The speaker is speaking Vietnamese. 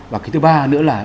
và cái thứ ba nữa là